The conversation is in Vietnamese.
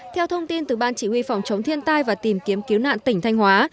theo thông tin từ ban chỉ huy phòng chống thiên tai và tìm kiếm cứu nạn tỉnh thanh hóa